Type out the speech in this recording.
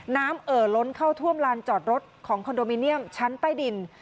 เอ่อล้นเข้าท่วมลานจอดรถของคอนโดมิเนียมชั้นใต้ดิน